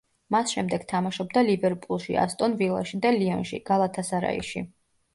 მას შემდეგ თამაშობდა „ლივერპულში“, „ასტონ ვილაში“ და „ლიონში“, „გალათასარაიში“.